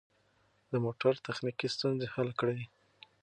د موټر تخنیکي ستونزې حل کړئ.